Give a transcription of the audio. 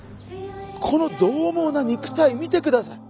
このどうもうな肉体見てください！